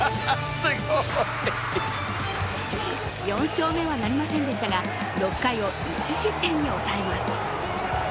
４勝目はなりませんでしたが６回を１失点に抑えます。